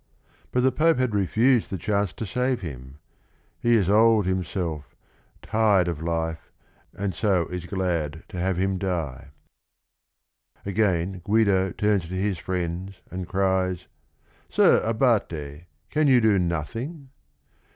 But the Pope had refused the chance to save him: he is old himself, tired of life, and so is glad to have him die. Again Guido turns to his friends, and cries: "Sir Abate, can you do nothing?"